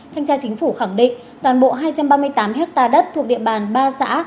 thanh tra chính phủ khẳng định toàn bộ hai trăm ba mươi tám ha đất thuộc địa bàn ba xã